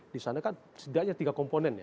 di sana kan setidaknya tiga komponen ya